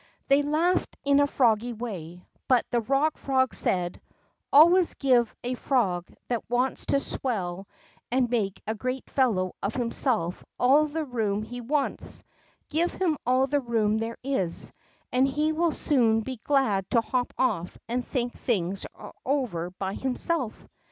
They laughed in a froggy way, hut the Bock Frog said: Always give a frog that wants to swell and THE ROCK FROG 21 make a great fellow of himself all the" room he wants. Give him all the room there is^ and he will soon he glad to hop off and think things over by himself.